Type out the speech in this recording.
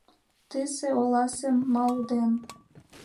Тысе, оласе мал ден